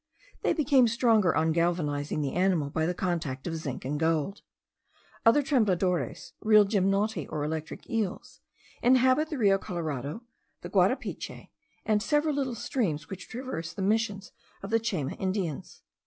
They became stronger on galvanizing the animal by the contact of zinc and gold. Other tembladores, real gymnoti or electric eels, inhabit the Rio Colorado, the Guarapiche, and several little streams which traverse the Missions of the Chayma Indians.